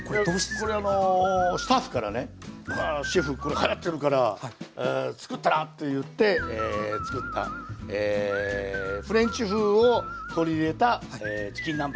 これあのスタッフからね「シェフこれはやってるからつくったら？」と言ってつくったフレンチ風を取り入れたチキン南蛮。